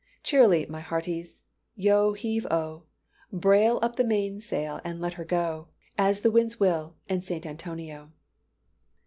Cheerily, my hearties! yo heave oh! Brail up the mainsail and let her go, As the winds will, and St. Antonio."